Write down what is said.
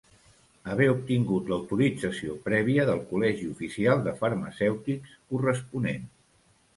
Haver obtingut l'autorització prèvia del Col·legi Oficial de Farmacèutics corresponent.